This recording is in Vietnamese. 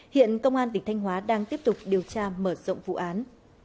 hiện công an tỉnh thanh hóa đang tiếp tục điều tra mở rộng vụ án